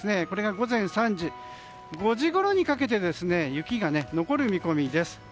これが午前３時５時ごろにかけて雪が残る見込みです。